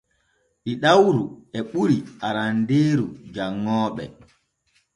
Ɗiɗawru e ɓuri arandeeru janŋooɓe.